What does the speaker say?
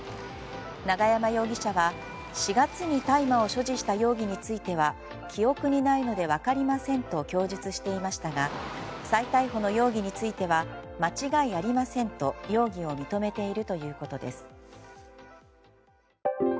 永山容疑者は４月に大麻を所持した容疑については記憶にないので分かりませんと供述していましたが再逮捕の容疑については間違いありませんと容疑を認めているということです。